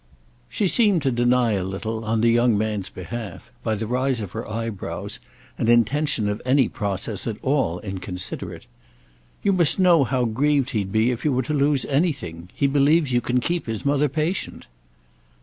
She seemed to deny a little, on the young man's behalf, by the rise of her eyebrows, an intention of any process at all inconsiderate. "You must know how grieved he'd be if you were to lose anything. He believes you can keep his mother patient."